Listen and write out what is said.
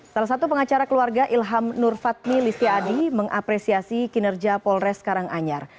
salah satu pengacara keluarga ilham nurfatmi listiadi mengapresiasi kinerja polres karanganyar